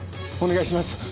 お願いします。